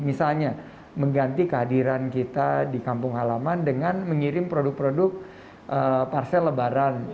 misalnya mengganti kehadiran kita di kampung halaman dengan mengirim produk produk parsel lebaran